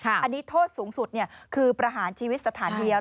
อันนี้โทษสูงสุดคือประหารชีวิตสถานเดียว